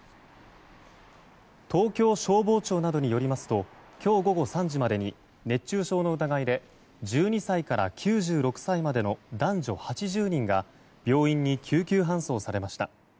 東京消防庁などによりますと今日午後３時までに熱中症の疑いで１２歳から９６歳までの男女８０人が病院に救急搬送されました。